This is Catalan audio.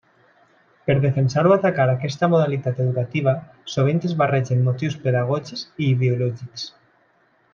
Per defensar o atacar aquesta modalitat educativa sovint es barregen motius pedagògics i ideològics.